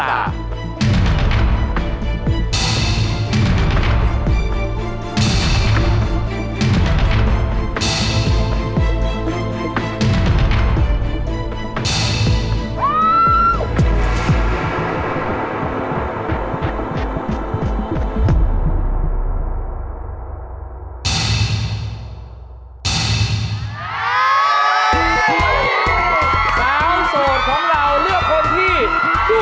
สาวสดของเราเลือกคนที่ควรสมพงษ์